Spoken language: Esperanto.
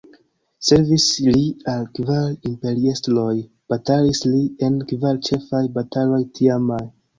Servis li al kvar imperiestroj, batalis li en kvar ĉefaj bataloj tiamaj.